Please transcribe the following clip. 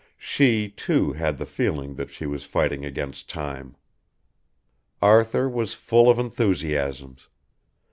She, too, had the feeling that she was fighting against time. Arthur was full of enthusiasms.